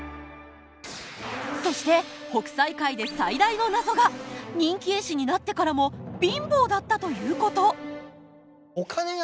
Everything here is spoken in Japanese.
そして北斎回で最大の謎が人気絵師になってからも貧乏だったということ。